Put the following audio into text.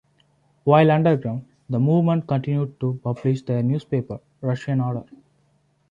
While underground, the movement continued to publish their newspaper "Russian order".